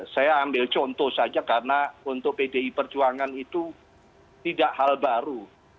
saya ambil contoh saja karena untuk pdi perjuangan itu tidak hal baru